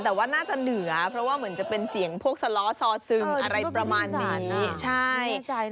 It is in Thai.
แต่ว่าน่าจะเหนือเพราะว่าเหมือนจะเป็นเสียงพวกสล้อซอซึงอะไรประมาณนี้ใช่